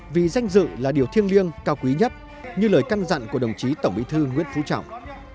vì danh dự là điều thiêng liêng cao quý nhất như lời căn dặn của đồng chí tổng bí thư nguyễn phú trọng